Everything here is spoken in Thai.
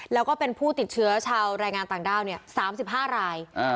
แล้วก็เป็นผู้ติดเชื้อชาวแรงงานต่างด้าวเนี่ยสามสิบห้ารายอ่า